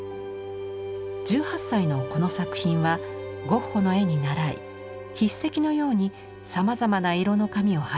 １８歳のこの作品はゴッホの絵にならい筆跡のようにさまざまな色の紙を貼り重ねています。